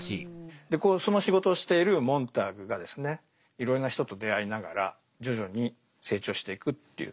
でその仕事をしているモンターグがいろいろな人と出会いながら徐々に成長していくっていう。